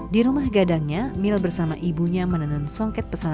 di rumah gadangnya mil bersama ibunya menanun songket pesan pesannya